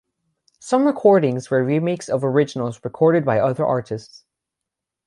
Some recordings were remakes of originals recorded by other artists.